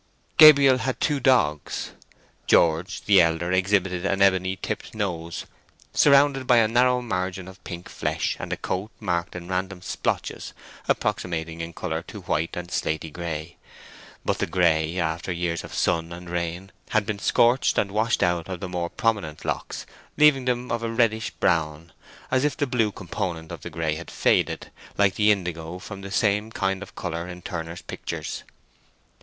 Gabriel had two dogs. George, the elder, exhibited an ebony tipped nose, surrounded by a narrow margin of pink flesh, and a coat marked in random splotches approximating in colour to white and slaty grey; but the grey, after years of sun and rain, had been scorched and washed out of the more prominent locks, leaving them of a reddish brown, as if the blue component of the grey had faded, like the indigo from the same kind of colour in Turner's pictures.